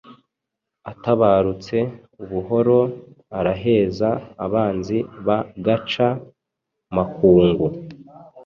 Atabarutse ubuhoro, Araheza abanzi ba Gaca-makungu.